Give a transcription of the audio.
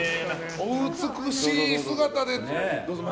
お美しい姿で。